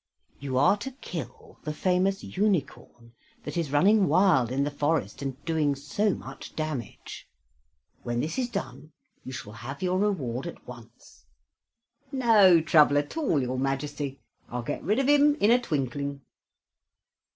"You are to kill the famous unicorn that is running wild in the forest and doing so much damage. When this is done you shall have your reward at once." "No trouble at all, your Majesty. I'll get rid of him in a twinkling."